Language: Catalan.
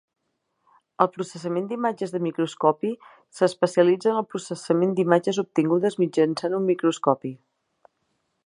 El processament d'imatges de microscopi s'especialitza en el processament d'imatges obtingudes mitjançant un microscopi.